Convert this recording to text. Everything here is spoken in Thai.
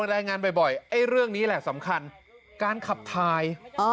ในแรงงานบ่อยเรื่องนี้แหละสำคัญการขับทาย